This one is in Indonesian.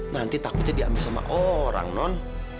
nanti takutnya diambil sama orang non